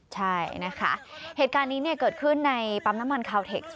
ใช่นะคะเหตุการณ์นี้เกิดขึ้นในปั๊มน้ำมันคาวเทคส